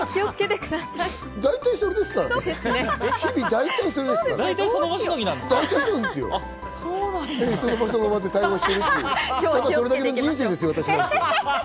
ただそれだけの人生です。